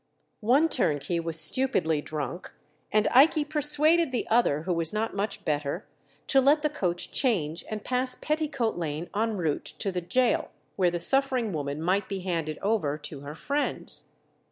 One turnkey was stupidly drunk, and Ikey persuaded the other, who was not much better, to let the coach change and pass Petticoat Lane en route to the gaol, where the suffering woman might be handed over to her friends.